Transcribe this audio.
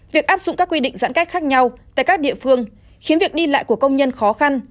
việc áp dụng các quy định giãn cách khác nhau tại các địa phương khiến việc đi lại của công nhân khó khăn